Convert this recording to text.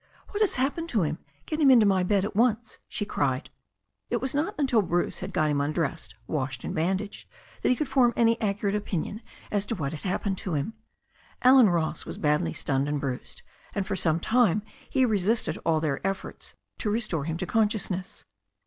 "What has happened to him? Get him into my bed at once," she cried. It was not until Bruce had got him undressed, washed and bandaged, that he could form any accurate opinion as to what had happened to him. Allen Ross was badly stunned and bruised, and for some time he resisted all their efforts to restore him to consciousness.